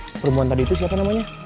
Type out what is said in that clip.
perempuan tadi itu siapa namanya